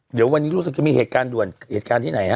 เดี๋ยววันนี้รู้สึกจะมีเหตุการณ์ด่วนเหตุการณ์ที่ไหนฮะ